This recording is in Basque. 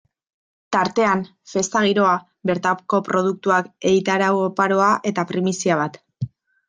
Tartean, festa giroa, bertako produktuak, egitarau oparoa eta primizia bat.